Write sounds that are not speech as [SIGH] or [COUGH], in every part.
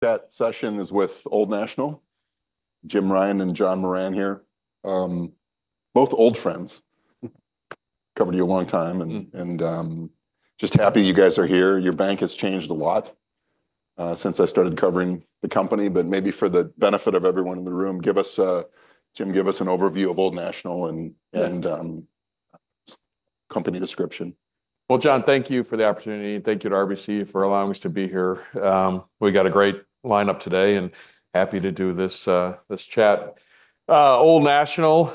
That session is with Old National, Jim Ryan and John Moran here. Both old friends. Covered you a long time, and just happy you guys are here. Your bank has changed a lot, since I started covering the company, but maybe for the benefit of everyone in the room, give us, Jim, an overview of Old National and company description. Well, John, thank you for the opportunity, and thank you to RBC for allowing us to be here. We got a great lineup today and happy to do this, this chat. Old National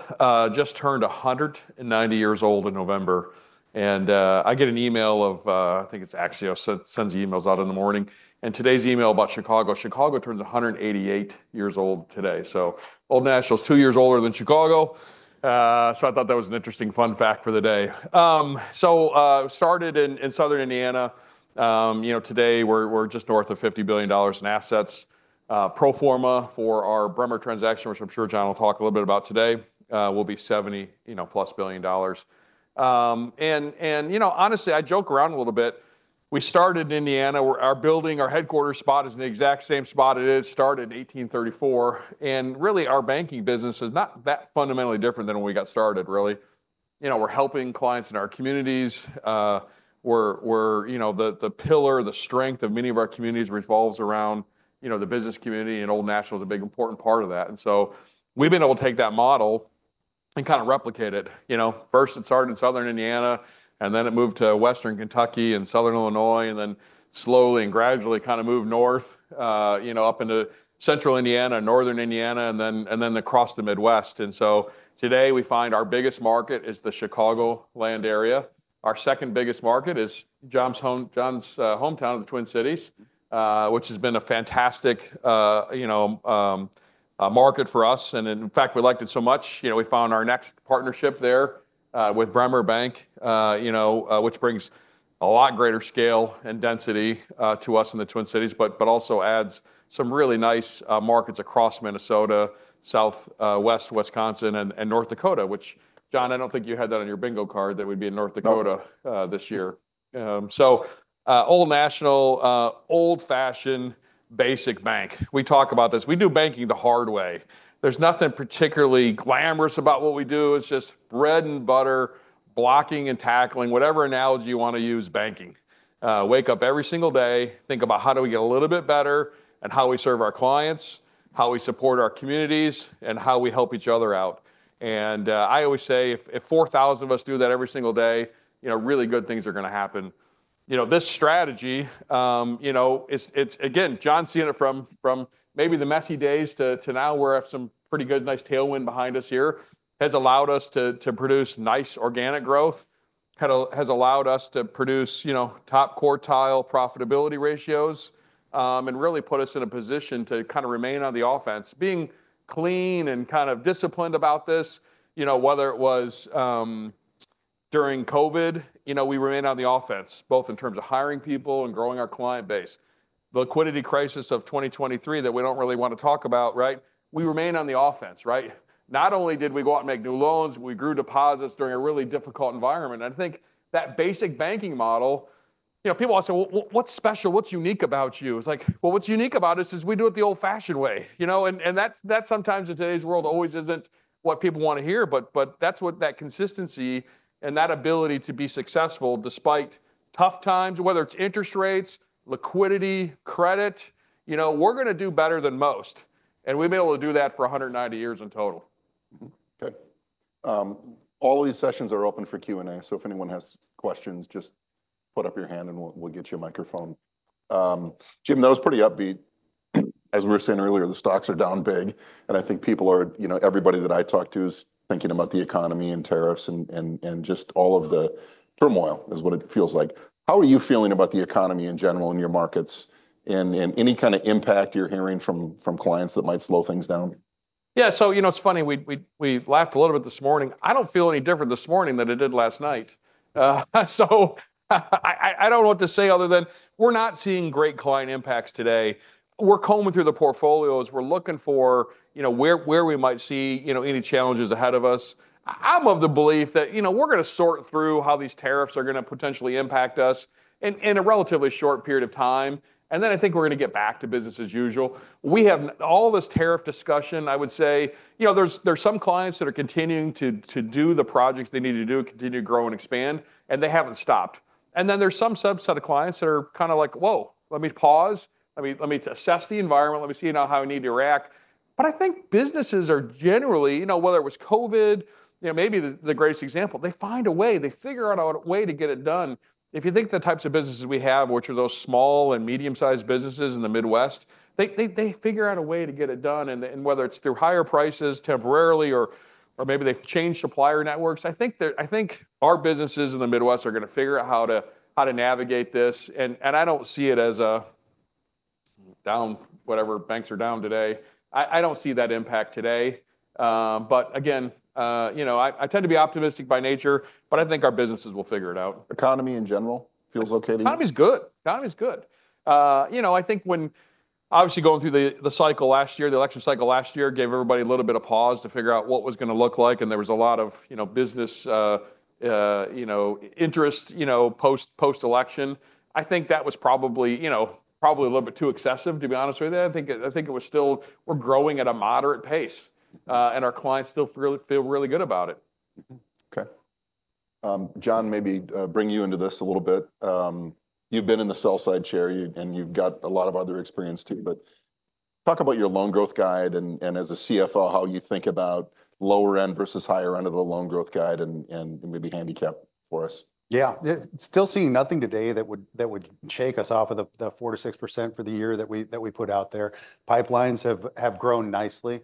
just turned 190 years old in November, and I get an email of, I think it's Axios that sends emails out in the morning, and today's email about Chicago. Chicago turns 188 years old today. Old National's two years older than Chicago. I thought that was an interesting fun fact for the day. Started in Southern Indiana. You know, today we're just north of $50 billion in assets. Pro forma for our Bremer transaction, which I'm sure John will talk a little bit about today, will be 70, you know, plus billion dollars. You know, honestly, I joke around a little bit. We started in Indiana. Our building, our headquarters spot is in the exact same spot it is. Started in 1834. Really our banking business is not that fundamentally different than when we got started, really. You know, we're helping clients in our communities. You know, we're the pillar, the strength of many of our communities revolves around, you know, the business community, and Old National's a big important part of that. So we've been able to take that model and kind of replicate it, you know. First it started in Southern Indiana, and then it moved to Western Kentucky and Southern Illinois, and then slowly and gradually kind of moved north, you know, up into Central Indiana, Northern Indiana, and then across the Midwest. Today we find our biggest market is the Chicagoland area. Our second biggest market is John's hometown of the Twin Cities, which has been a fantastic, you know, market for us. And in fact, we liked it so much, you know, we found our next partnership there, with Bremer Bank, you know, which brings a lot greater scale and density to us in the Twin Cities, but also adds some really nice markets across Minnesota, Southwest Wisconsin, and North Dakota, which John, I don't think you had that on your bingo card that we'd be in North Dakota this year. Old National, old-fashioned basic bank. We talk about this. We do banking the hard way. There's nothing particularly glamorous about what we do. It's just bread and butter, blocking and tackling, whatever analogy you wanna use banking. Wake up every single day, think about how do we get a little bit better and how we serve our clients, how we support our communities, and how we help each other out. I always say if 4,000 of us do that every single day, you know, really good things are gonna happen. You know, this strategy, you know, it's again, John's seen it from maybe the messy days to now where I have some pretty good, nice tailwind behind us here has allowed us to produce nice organic growth, has allowed us to produce, you know, top quartile profitability ratios, and really put us in a position to kind of remain on the offense. Being clean and kind of disciplined about this, you know, whether it was, during COVID, you know, we remained on the offense both in terms of hiring people and growing our client base. The liquidity crisis of 2023 that we don't really wanna talk about, right? We remained on the offense, right? Not only did we go out and make new loans, we grew deposits during a really difficult environment. And I think that basic banking model, you know, people always say, well, what's special? What's unique about you? It's like, well, what's unique about us is we do it the old-fashioned way, you know? And that's sometimes in today's world always isn't what people wanna hear, but that's what that consistency and that ability to be successful despite tough times, whether it's interest rates, liquidity, credit, you know, we're gonna do better than most. We've been able to do that for 190 years in total. Okay. All of these sessions are open for Q&A. So if anyone has questions, just put up your hand and we'll get you a microphone. Jim, that was pretty upbeat. As we were saying earlier, the stocks are down big, and I think people are, you know, everybody that I talk to is thinking about the economy and tariffs and just all of the turmoil is what it feels like. How are you feeling about the economy in general and your markets and any kind of impact you're hearing from clients that might slow things down? Yeah. So, you know, it's funny, we laughed a little bit this morning. I don't feel any different this morning than I did last night. I don't know what to say other than we're not seeing great client impacts today. We're combing through the portfolios. We're looking for, you know, where we might see, you know, any challenges ahead of us. I'm of the belief that, you know, we're gonna sort through how these tariffs are gonna potentially impact us in a relatively short period of time. And then I think we're gonna get back to business as usual. We have all this tariff discussion. I would say, you know, there's some clients that are continuing to do the projects they need to do, continue to grow and expand, and they haven't stopped. And then there's some subset of clients that are kind of like, whoa, let me pause. Let me assess the environment. Let me see, you know, how I need to react. But I think businesses are generally, you know, whether it was COVID, you know, maybe the greatest example, they find a way, they figure out a way to get it done. If you think the types of businesses we have, which are those small and medium-sized businesses in the Midwest, they figure out a way to get it done. And whether it's through higher prices temporarily or maybe they've changed supplier networks. I think our businesses in the Midwest are gonna figure out how to navigate this. And I don't see it as a down, whatever banks are down today. I don't see that impact today. But again, you know, I tend to be optimistic by nature, but I think our businesses will figure it out. Economy in general feels okay to you? Economy’s good. Economy’s good. You know, I think when obviously going through the cycle last year, the election cycle last year gave everybody a little bit of pause to figure out what was gonna look like, and there was a lot of, you know, business, you know, interest, you know, post-election. I think that was probably, you know, probably a little bit too excessive, to be honest with you. I think it was still, we’re growing at a moderate pace, and our clients still feel really good about it. Okay. John, maybe bring you into this a little bit. You've been in the sell-side chair, you, and you've got a lot of other experience too, but talk about your loan growth guide and, and as a CFO, how you think about lower end versus higher end of the loan growth guide and, and maybe handicap for us. Yeah. Still seeing nothing today that would shake us off of the four to 6% for the year that we put out there. Pipelines have grown nicely.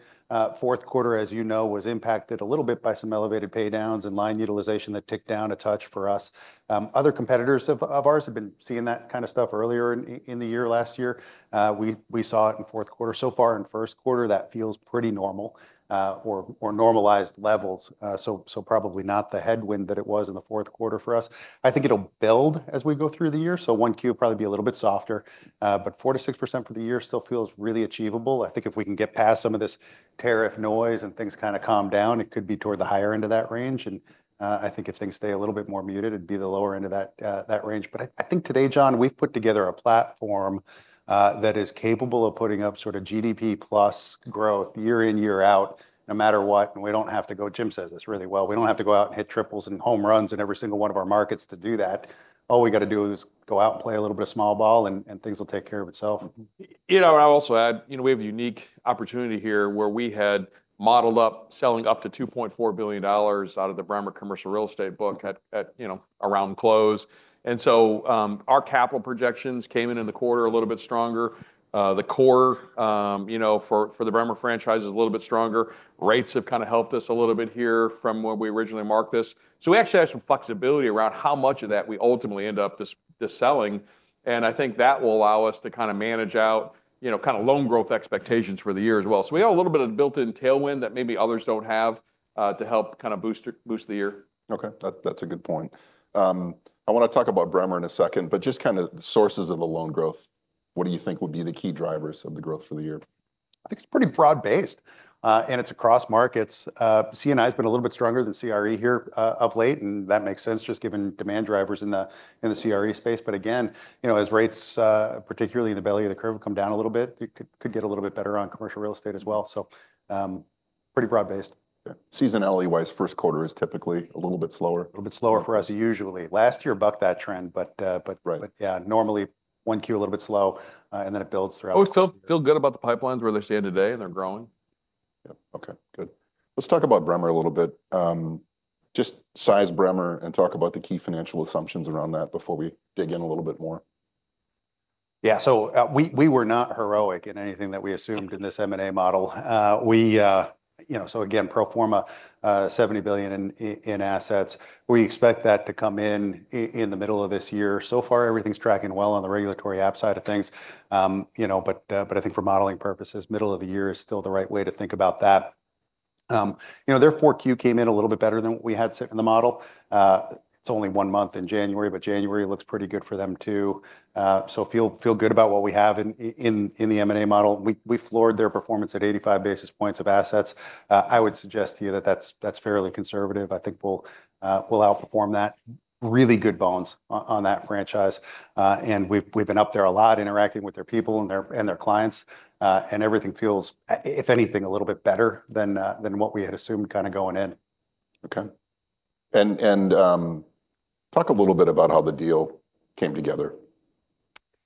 Fourth quarter, as you know, was impacted a little bit by some elevated pay downs and line utilization that ticked down a touch for us. Other competitors of ours have been seeing that kind of stuff earlier in the year last year. We saw it in fourth quarter. So far in first quarter, that feels pretty normal, or normalized levels, so probably not the headwind that it was in the fourth quarter for us. I think it'll build as we go through the year, so 1Q will probably be a little bit softer, but 4%-6% for the year still feels really achievable. I think if we can get past some of this tariff noise and things kind of calm down, it could be toward the higher end of that range. And I think if things stay a little bit more muted, it'd be the lower end of that range. But I think today, John, we've put together a platform that is capable of putting up sort of GDP plus growth year in, year out, no matter what. And we don't have to go. Jim says this really well. We don't have to go out and hit triples and home runs in every single one of our markets to do that. All we gotta do is go out and play a little bit of small ball and things will take care of itself. You know, I'll also add, you know, we have a unique opportunity here where we had modeled up selling up to $2.4 billion out of the Bremer Commercial Real Estate book at, you know, around close. And so, our capital projections came in in the quarter a little bit stronger. The core, you know, for the Bremer franchise is a little bit stronger. Rates have kind of helped us a little bit here from where we originally marked this. We actually have some flexibility around how much of that we ultimately end up just selling. And I think that will allow us to kind of manage out, you know, kind of loan growth expectations for the year as well. We have a little bit of built-in tailwind that maybe others don't have, to help kind of boost the year. Okay. That's a good point. I wanna talk about Bremer in a second, but just kind of the sources of the loan growth. What do you think would be the key drivers of the growth for the year? I think it's pretty broad-based, and it's across markets. C&I's been a little bit stronger than CRE here, of late, and that makes sense just given demand drivers in the CRE space. But again, you know, as rates, particularly in the belly of the curve have come down a little bit, it could get a little bit better on commercial real estate as well. So, pretty broad-based. Seasonality-wise, first quarter is typically a little bit slower. A little bit slower for us usually. Last year bucked that trend, but yeah, normally 1Q a little bit slow, and then it builds throughout. We feel good about the pipelines where they stand today and they're growing. Yep. Okay. Good. Let's talk about Bremer a little bit. Just size Bremer and talk about the key financial assumptions around that before we dig in a little bit more. Yeah. We were not heroic in anything that we assumed in this M&A model. You know, so again, pro forma, $70 billion in assets. We expect that to come in in the middle of this year. So far everything's tracking well on the regulatory approval side of things. You know, but I think for modeling purposes, middle of the year is still the right way to think about that. You know, their 4Q came in a little bit better than what we had sitting in the model. It's only one month in January, but January looks pretty good for them too. So feel good about what we have in the M&A model. We floored their performance at 85 basis points of assets. I would suggest to you that that's fairly conservative. I think we'll outperform that. Really good bones on that franchise, and we've been up there a lot interacting with their people and their clients, and everything feels, if anything, a little bit better than what we had assumed kind of going in. Okay. Talk a little bit about how the deal came together.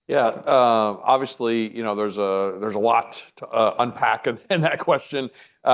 Yeah. Obviously, you know, there's a lot to unpack in that question. You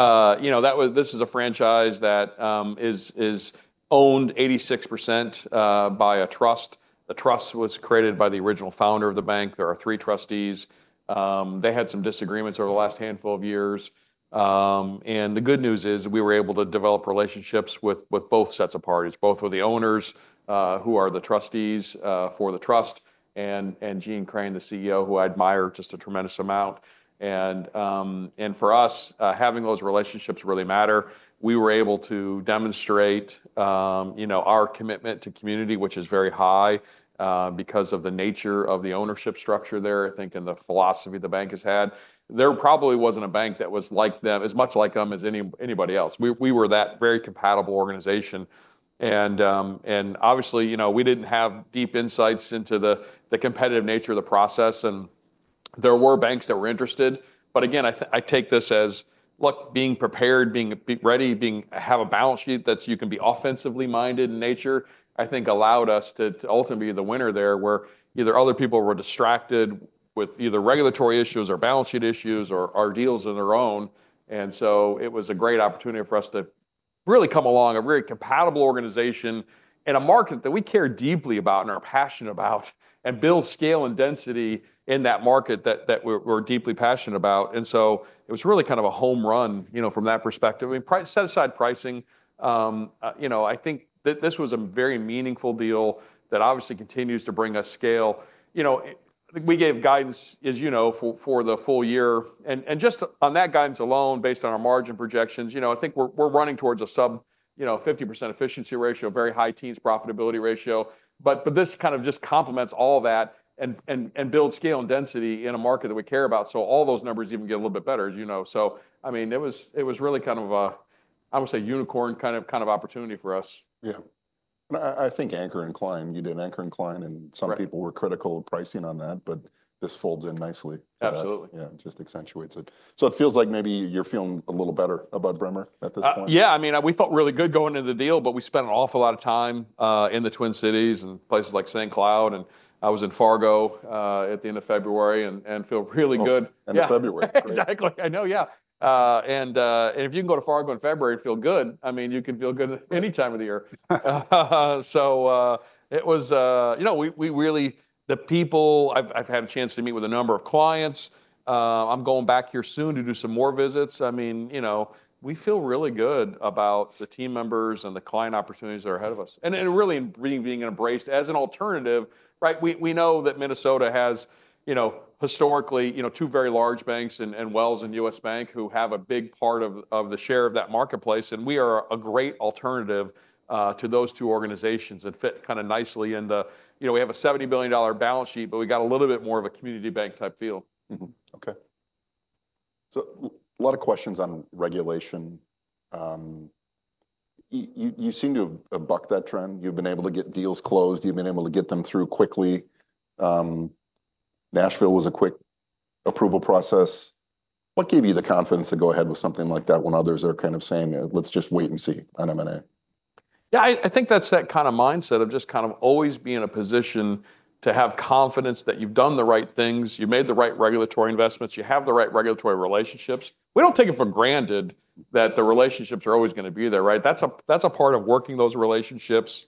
know, that was this is a franchise that is owned 86% by a trust. The trust was created by the original founder of the bank. There are three trustees. They had some disagreements over the last handful of years. And the good news is we were able to develop relationships with both sets of parties, both with the owners, who are the trustees, for the trust and Jeanne Crain, the CEO, who I admire just a tremendous amount. And for us, having those relationships really matter. We were able to demonstrate, you know, our commitment to community, which is very high, because of the nature of the ownership structure there. I think in the philosophy the bank has had, there probably wasn't a bank that was like them, as much like them as any, anybody else. We were that very compatible organization. And obviously, you know, we didn't have deep insights into the competitive nature of the process. And there were banks that were interested. But again, I think I take this as, look, being prepared, being ready, being have a balance sheet that you can be offensively minded in nature, I think allowed us to ultimately be the winner there where either other people were distracted with either regulatory issues or balance sheet issues or deals on their own. And so it was a great opportunity for us to really come along a very compatible organization in a market that we care deeply about and are passionate about and build scale and density in that market that we're deeply passionate about. And so it was really kind of a home run, you know, from that perspective. I mean, pricing set aside, you know, I think that this was a very meaningful deal that obviously continues to bring us scale. You know, we gave guidance, as you know, for the full year and just on that guidance alone, based on our margin projections, you know, I think we're running towards a sub 50% efficiency ratio, very high-teens profitability ratio. But this kind of just complements all that and builds scale and density in a market that we care about. So all those numbers even get a little bit better, as you know. I mean, it was really kind of a, I would say, unicorn kind of opportunity for us. Yeah. I think Anchor and Klein, you did Anchor and Klein, and some people were critical of pricing on that, but this folds in nicely. Absolutely. Yeah. Just accentuates it, so it feels like maybe you're feeling a little better about Bremer at this point. Yeah. I mean, we felt really good going into the deal, but we spent an awful lot of time in the Twin Cities and places like St. Cloud. And I was in Fargo at the end of February and feel really good. And February. Exactly. I know. Yeah. And if you can go to Fargo in February and feel good, I mean, you can feel good anytime of the year. So it was, you know, we really the people. I've had a chance to meet with a number of clients. I'm going back here soon to do some more visits. I mean, you know, we feel really good about the team members and the client opportunities that are ahead of us. And really being embraced as an alternative, right? We know that Minnesota has, you know, historically, you know, two very large banks and Wells and U.S. Bank who have a big part of the share of that marketplace. We are a great alternative to those two organizations and fit kind of nicely in the, you know, we have a $70 billion balance sheet, but we got a little bit more of a community bank type feel. Okay. So a lot of questions on regulation. You seem to have bucked that trend. You've been able to get deals closed. You've been able to get them through quickly. Nashville was a quick approval process. What gave you the confidence to go ahead with something like that when others are kind of saying, let's just wait and see on M&A? Yeah. I think that's that kind of mindset of just kind of always being in a position to have confidence that you've done the right things. You've made the right regulatory investments. You have the right regulatory relationships. We don't take it for granted that the relationships are always gonna be there, right? That's a part of working those relationships.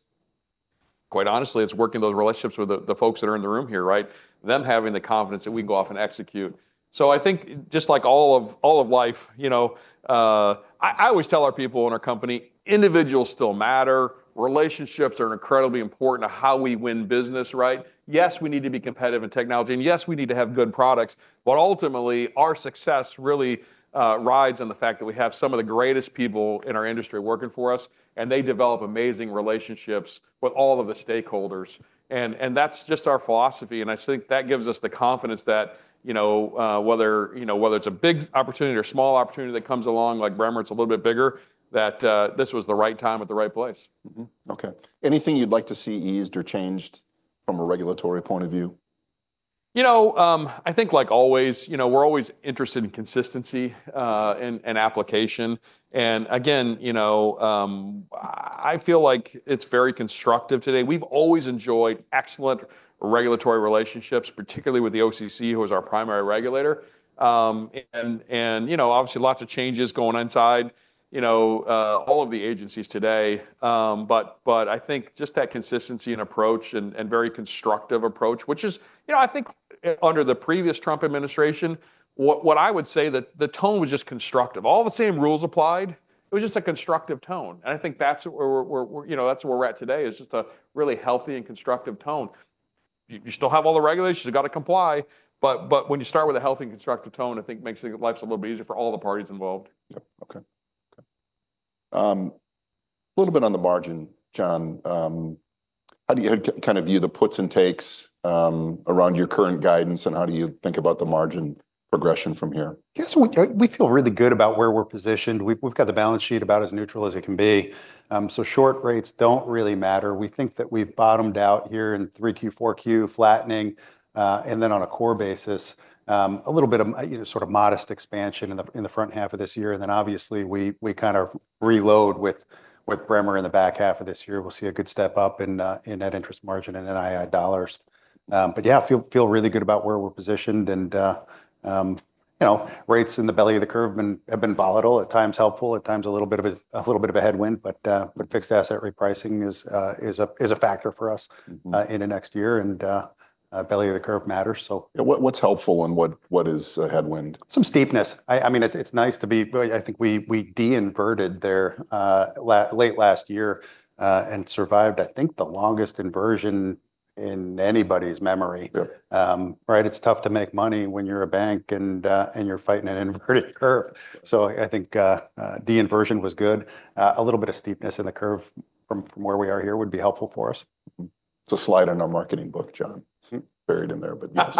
Quite honestly, it's working those relationships with the folks that are in the room here, right? Them having the confidence that we can go off and execute. I think just like all of life, you know, I always tell our people in our company, individuals still matter. Relationships are incredibly important to how we win business, right? Yes, we need to be competitive in technology and yes, we need to have good products, but ultimately our success really rides on the fact that we have some of the greatest people in our industry working for us and they develop amazing relationships with all of the stakeholders. And that's just our philosophy. I think that gives us the confidence that you know whether it's a big opportunity or small opportunity that comes along like Bremer, it's a little bit bigger that this was the right time at the right place. Okay. Anything you'd like to see eased or changed from a regulatory point of view? You know, I think like always, you know, we're always interested in consistency and application, and again, you know, I feel like it's very constructive today. We've always enjoyed excellent regulatory relationships, particularly with the OCC, who is our primary regulator, and, you know, obviously lots of changes going inside, you know, all of the agencies today, but I think just that consistency and approach and very constructive approach, which is, you know, I think under the previous Trump administration, what I would say that the tone was just constructive. All the same rules applied. It was just a constructive tone, and I think that's what we're, you know, that's where we're at today is just a really healthy and constructive tone. You still have all the regulations, you gotta comply. But when you start with a healthy and constructive tone, I think makes the lives a little bit easier for all the parties involved. Yep. Okay. A little bit on the margin, John. How do you kind of view the puts and takes around your current guidance and how do you think about the margin progression from here? Yeah. We feel really good about where we're positioned. We've, we've got the balance sheet about as neutral as it can be. So short rates don't really matter. We think that we've bottomed out here in 3Q, 4Q flattening, and then on a core basis, a little bit of, you know, sort of modest expansion in the, in the front half of this year. And then obviously we, we kind of reload with, with Bremer in the back half of this year. We'll see a good step up in, in net interest margin and NII dollars. But yeah, I feel, feel really good about where we're positioned. You know, rates in the belly of the curve have been volatile, at times helpful, at times a little bit of a headwind, but fixed asset repricing is a factor for us in the next year, and belly of the curve matters. Yeah. What's helpful and what is a headwind? Some steepness. I mean, it's nice to be. I think we de-inverted there, late last year, and survived, I think the longest inversion in anybody's memory, right. It's tough to make money when you're a bank and you're fighting an inverted curve. I think de-inversion was good. A little bit of steepness in the curve from where we are here would be helpful for us. It's a slide in our marketing book, John. It's buried in there, but yes.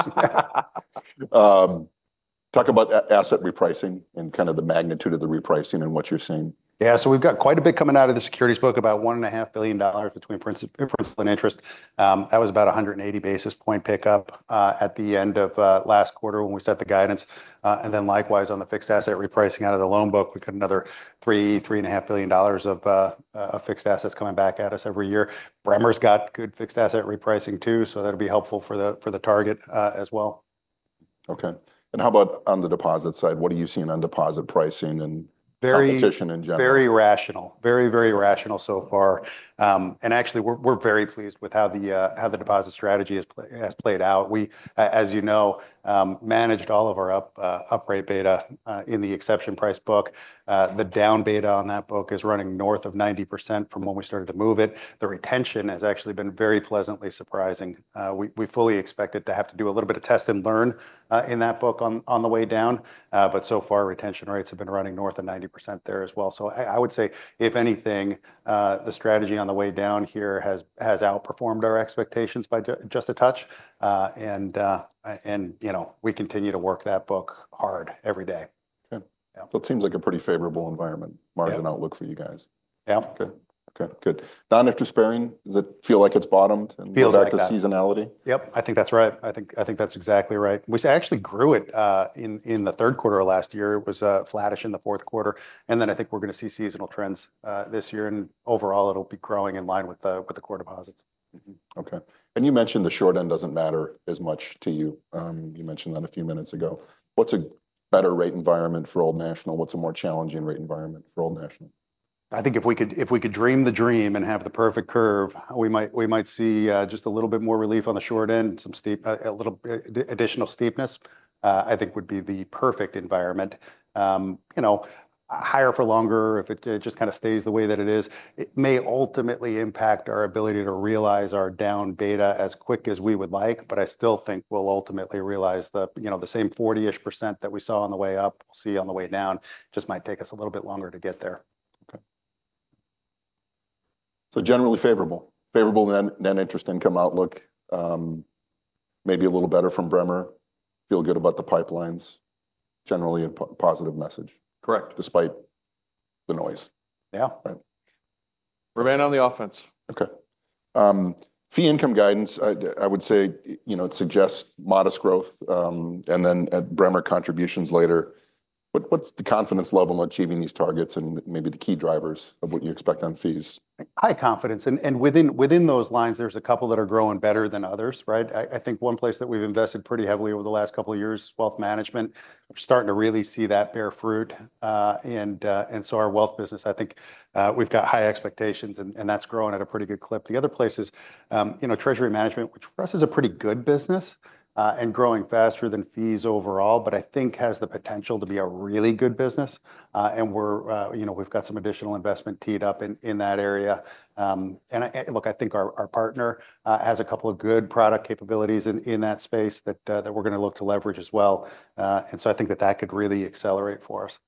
Talk about asset repricing and kind of the magnitude of the repricing and what you're seeing. Yeah. We've got quite a bit coming out of the securities book, about $1.5 billion between Princeton and principal Interest. That was about 180 basis point pickup at the end of last quarter when we set the guidance, and then likewise on the fixed asset repricing out of the loan book, we got another $3 billion-$3.5 billion of fixed assets coming back at us every year. Bremer's got good fixed asset repricing too. So that'll be helpful for the target as well. Okay. And how about on the deposit side? What do you see in deposit pricing and competition in general? Very rational. Very, very rational so far, and actually we're, we're very pleased with how the, how the deposit strategy has played, has played out. We, as you know, managed all of our up beta in the exception-priced book. The down beta on that book is running north of 90% from when we started to move it. The retention has actually been very pleasantly surprising. We, we fully expected to have to do a little bit of test and learn in that book on, on the way down, but so far retention rates have been running north of 90% there as well, so I, I would say if anything, the strategy on the way down here has, has outperformed our expectations by just a touch, and you know, we continue to work that book hard every day. Okay. So it seems like a pretty favorable environment, margin outlook for you guys. Yeah. Okay. Okay. Good. Non-interest bearing, does it feel like it's bottomed and back to seasonality? Yep. I think that's right. I think that's exactly right. We actually grew it in the third quarter of last year. It was flattish in the fourth quarter. And then I think we're gonna see seasonal trends this year. And overall it'll be growing in line with the core deposits. Okay, and you mentioned the short end doesn't matter as much to you. You mentioned that a few minutes ago. What's a better rate environment for Old National? What's a more challenging rate environment for Old National? I think if we could dream the dream and have the perfect curve, we might see just a little bit more relief on the short end, some steepness, a little additional steepness. I think that would be the perfect environment. You know, higher for longer, if it just kind of stays the way that it is, it may ultimately impact our ability to realize our down beta as quick as we would like. I still think we'll ultimately realize, you know, the same 40%-ish that we saw on the way up, we'll see on the way down, just might take us a little bit longer to get there. Okay. So generally favorable, favorable net interest income outlook, maybe a little better from Bremer. Feel good about the pipelines, generally a positive message. Correct. Despite the noise. Yeah. Right. Remain on the offense. Okay. Fee income guidance, I would say, you know, it suggests modest growth, and then at Bremer contributions later. What's the confidence level in achieving these targets and maybe the key drivers of what you expect on fees? High confidence. And within those lines, there's a couple that are growing better than others, right? I think one place that we've invested pretty heavily over the last couple of years, wealth management, we're starting to really see that bear fruit. And so our wealth business, I think, we've got high expectations and that's growing at a pretty good clip. The other place is, you know, treasury management, which for us is a pretty good business, and growing faster than fees overall, but I think has the potential to be a really good business. And we're, you know, we've got some additional investment teed up in that area. I look, I think our partner has a couple of good product capabilities in that space that we're gonna look to leverage as well. I think that that could really accelerate for us.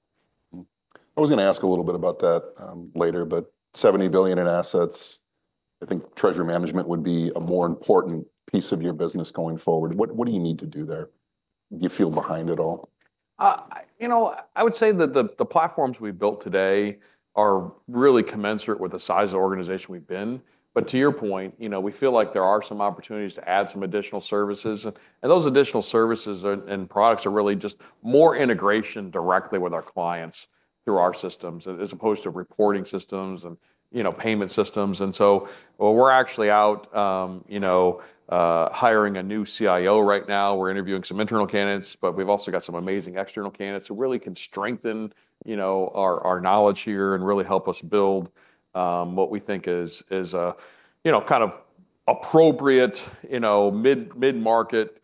I was gonna ask a little bit about that later, but $70 billion in assets. I think treasury management would be a more important piece of your business going forward. What, what do you need to do there? Do you feel behind at all? You know, I would say that the platforms we've built today are really commensurate with the size of the organization we've been. But to your point, you know, we feel like there are some opportunities to add some additional services, and those additional services and products are really just more integration directly with our clients through our systems as opposed to reporting systems and, you know, payment systems. We're actually out, you know, hiring a new CIO right now. We're interviewing some internal candidates, but we've also got some amazing external candidates who really can strengthen, you know, our knowledge here and really help us build what we think is, you know, kind of appropriate, you know, mid-market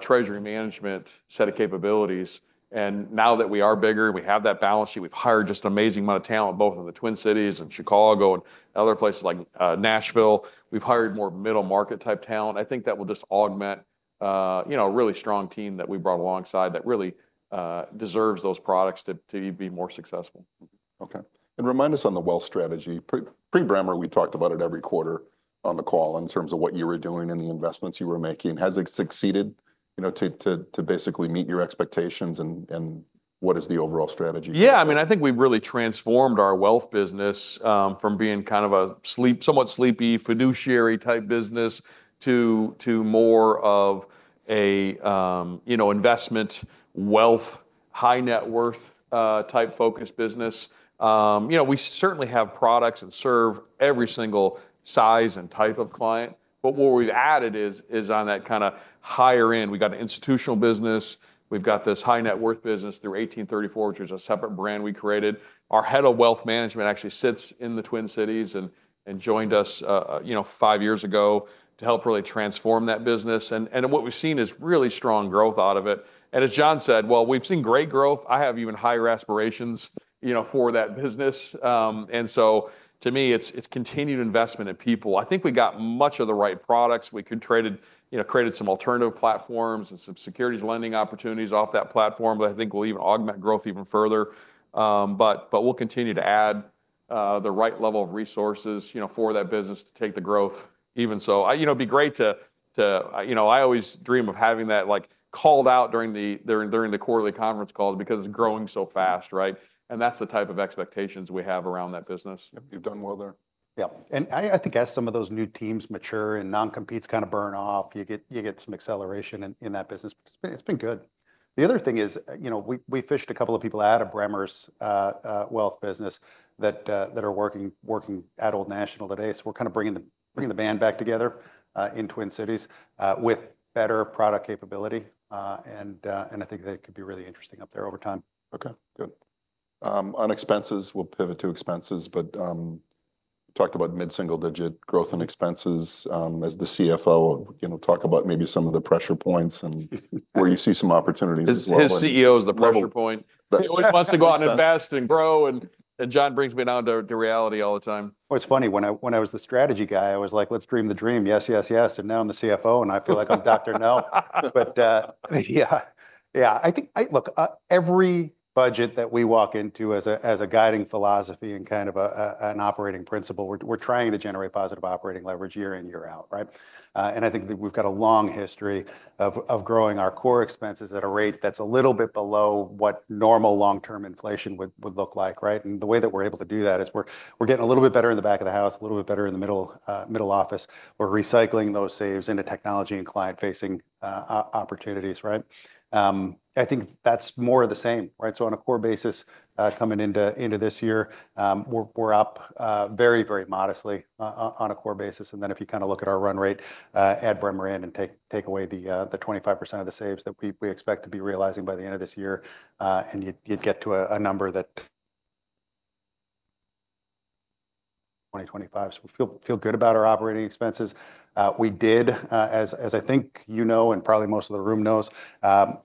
treasury management set of capabilities. And now that we are bigger and we have that balance sheet, we've hired just an amazing amount of talent, both in the Twin Cities and Chicago and other places like Nashville. We've hired more middle market type talent. I think that will just augment, you know, a really strong team that we brought alongside that really deserves those products to be more successful. Okay. And remind us on the wealth strategy. Pre-Bremer, we talked about it every quarter on the call in terms of what you were doing and the investments you were making. Has it succeeded, you know, to basically meet your expectations and what is the overall strategy? Yeah. I mean, I think we've really transformed our wealth business, from being kind of a sleepy, somewhat sleepy fiduciary type business to more of a, you know, investment wealth, high net worth, type focused business. You know, we certainly have products that serve every single size and type of client. But what we've added is on that kind of higher end. We've got an institutional business. We've got this high net worth business through 1834, which is a separate brand we created. Our head of wealth management actually sits in the Twin Cities and joined us, you know, five years ago to help really transform that business. And what we've seen is really strong growth out of it. And as John said, well, we've seen great growth. I have even higher aspirations, you know, for that business. And so to me, it's continued investment in people. I think we got much of the right products. We could trade it, you know, created some alternative platforms and some securities lending opportunities off that platform that I think will even augment growth even further. But we'll continue to add the right level of resources, you know, for that business to take the growth. Even so, you know, it'd be great to, you know, I always dream of having that like called out during the quarterly conference calls because it's growing so fast, right? And that's the type of expectations we have around that business. Yep. You've done well there. Yeah, and I think as some of those new teams mature and non-competes kind of burn off, you get some acceleration in that business, but it's been good. The other thing is, you know, we fished a couple of people out of Bremer's wealth business that are working at Old National today. We're kind of bringing the band back together in Twin Cities with better product capability, and I think that could be really interesting up there over time. Okay. Good. On expenses, we'll pivot to expenses, but talked about mid-single digit growth and expenses. As the CFO, you know, talk about maybe some of the pressure points and where you see some opportunities as well. His CEO is the pressure point. He always wants to go out and invest and grow, and John brings me down to reality all the time. It's funny when I was the strategy guy, I was like, let's dream the dream. Yes, yes, yes. And now I'm the CFO and I feel like I'm Dr. No. But, yeah, yeah. I think, look, every budget that we walk into as a guiding philosophy and kind of an operating principle, we're trying to generate positive operating leverage year in, year out, right? and I think that we've got a long history of growing our core expenses at a rate that's a little bit below what normal long-term inflation would look like, right? And the way that we're able to do that is we're getting a little bit better in the back of the house, a little bit better in the middle office. We're recycling those saves into technology and client-facing opportunities, right? I think that's more of the same, right? So on a core basis, coming into this year, we're up very modestly on a core basis. And then if you kind of look at our run rate, add Bremer in and take away the 25% of the saves that we expect to be realizing by the end of this year, and you'd get to a number that [AUDIO DISTORTION] 2025, so we feel good about our operating expenses. We did, as I think you know, and probably most of the room knows,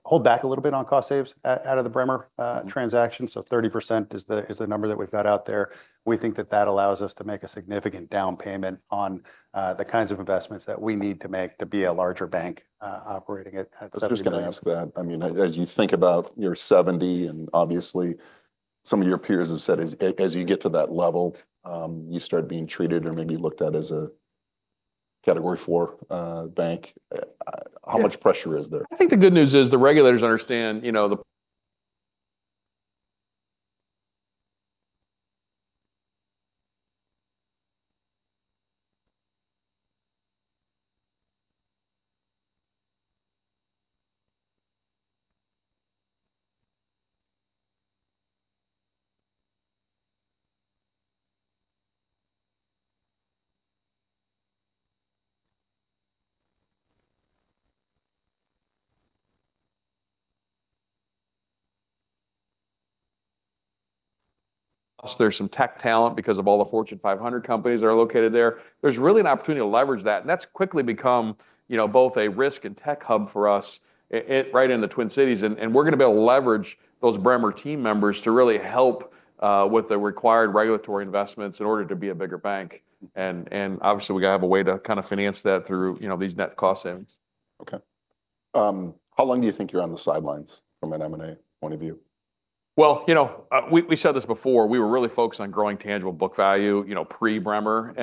hold back a little bit on cost saves out of the Bremer transaction, so 30% is the number that we've got out there. We think that that allows us to make a significant down payment on the kinds of investments that we need to make to be a larger bank operating at-- I'm just gonna ask that. I mean, as you think about your 70 and obviously some of your peers have said as you get to that level, you start being treated or maybe looked at as a category four bank. How much pressure is there? I think the good news is the regulators understand, you know. [AUDIO DISTORTION] There's some tech talent because of all the Fortune 500 companies that are located there. There's really an opportunity to leverage that. And that's quickly become, you know, both a risk and tech hub for us, it right in the Twin Cities. We're gonna be able to leverage those Bremer team members to really help with the required regulatory investments in order to be a bigger bank. And obviously we gotta have a way to kind of finance that through, you know, these net cost savings. Okay. How long do you think you're on the sidelines from an M&A point of view? You know, we said this before. We were really focused on growing tangible book value, you know, pre-Bremer.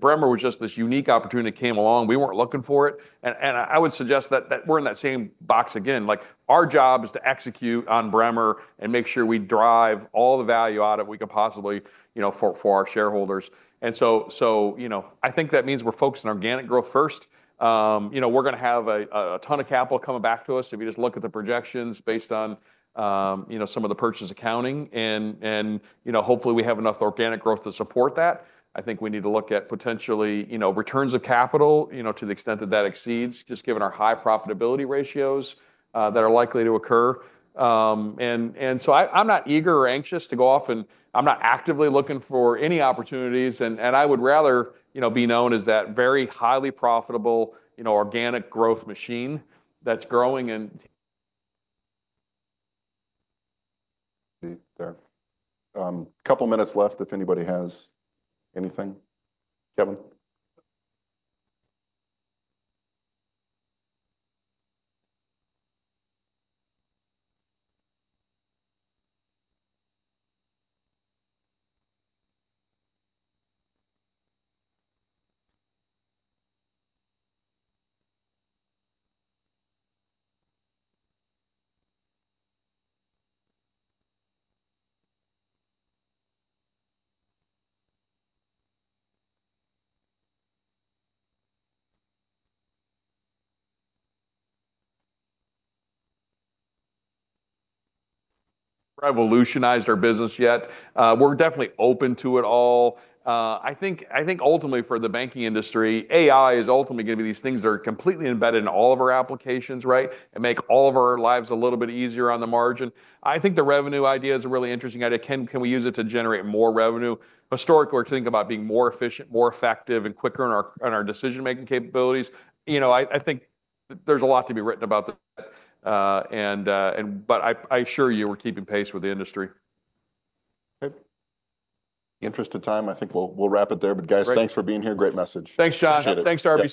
Bremer was just this unique opportunity that came along. We weren't looking for it. I would suggest that we're in that same box again. Like, our job is to execute on Bremer and make sure we drive all the value out of it we can possibly, you know, for our shareholders. So, you know, I think that means we're focusing on organic growth first. You know, we're gonna have a ton of capital coming back to us. If you just look at the projections based on, you know, some of the purchase accounting and, you know, hopefully we have enough organic growth to support that. I think we need to look at potentially, you know, returns of capital, you know, to the extent that that exceeds just given our high profitability ratios that are likely to occur. I'm not eager or anxious to go off and I'm not actively looking for any opportunities. And I would rather, you know, be known as that very highly profitable, you know, organic growth machine that's growing and. [AUDIO DISTORTION] A couple minutes left if anybody has anything. Kevin. [AUDIO DISTORTION] Revolutionized our business yet. We're definitely open to it all. I think ultimately for the banking industry, AI is ultimately gonna be these things that are completely embedded in all of our applications, right? And make all of our lives a little bit easier on the margin. I think the revenue idea is a really interesting idea. Can we use it to generate more revenue? Historically, we're thinking about being more efficient, more effective, and quicker in our decision-making capabilities. You know, I think there's a lot to be written about that. But I assure you we're keeping pace with the industry. In the interest of time, I think we'll, we'll wrap it there. But guys, thanks for being here. Great message. Thanks, John. Thanks to our team.